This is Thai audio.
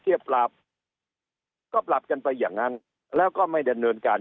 ปราบก็ปรับกันไปอย่างนั้นแล้วก็ไม่ดำเนินการ